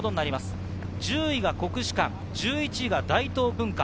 １０位が国士館、１１位が大東文化。